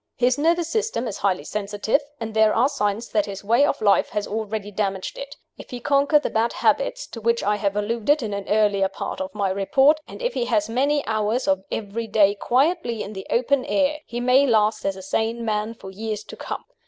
His nervous system is highly sensitive, and there are signs that his way of life has already damaged it. If he conquer the bad habits to which I have alluded in an earlier part of my report, and if he pass many hours of every day quietly in the open air, he may last as a sane man for years to come.